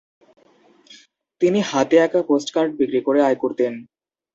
তিনি হাতে আঁকা পোস্টকার্ড বিক্রি করে আয় করতেন।